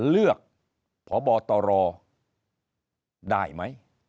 เลือกพบตรได้ไหม